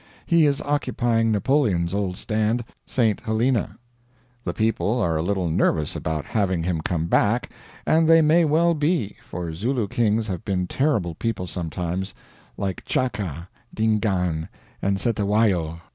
He is occupying Napoleon's old stand St. Helena. The people are a little nervous about having him come back, and they may well be, for Zulu kings have been terrible people sometimes like Tchaka, Dingaan, and Cetewayo.